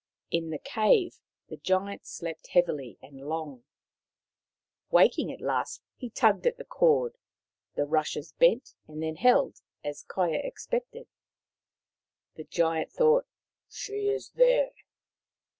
In the cave the Giant slept heavily and long. Waking at last, he tugged at the cord. The rushes bent and then held, as Kaia expected. The Giant thought, " She is there.'